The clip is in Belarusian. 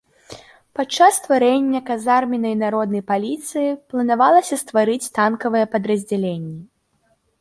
Падчас стварэння казарменнай народнай паліцыі планавалася стварыць танкавыя падраздзяленні.